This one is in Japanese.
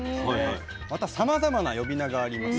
またさまざまな呼び名があります。